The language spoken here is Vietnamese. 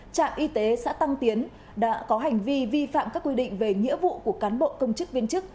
trạm y tế xã tăng tiến đã có hành vi vi phạm các quy định về nghĩa vụ của cán bộ công chức viên chức